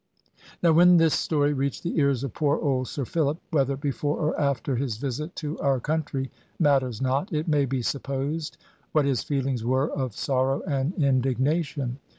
Now when this story reached the ears of poor old Sir Philip, whether before or after his visit to our country matters not, it may be supposed what his feelings were of sorrow and indignation.